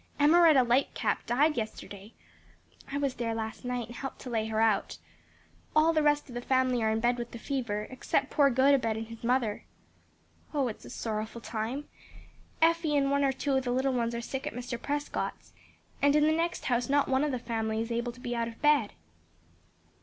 "Emmaretta Lightcap died yesterday; I was there last night and helped to lay her out. All the rest of the family are in bed with the fever, except poor Gotobed and his mother. "Oh, it's a sorrowful time! Effie and one or two of the little ones are sick at Mr. Prescott's, and in the next house not one of the family is able to be out of bed."